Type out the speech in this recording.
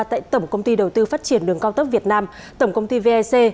tại tổng công ty đầu tư phát triển đường cao tốc việt nam tổng công ty vec